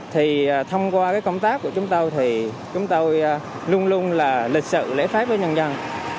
thì thông qua công tác của chúng tôi thì chúng tôi luôn luôn là lịch sự lễ phát với nhân dân